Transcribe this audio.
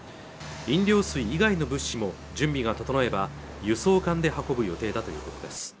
飲料水以外の物資も準備が整えば輸送艦で運ぶ予定だということです